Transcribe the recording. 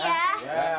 terima kasih pak